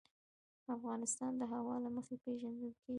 افغانستان د هوا له مخې پېژندل کېږي.